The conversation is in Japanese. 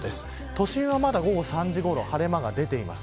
都心はまだ午後３時ごろ晴れ間が出ています。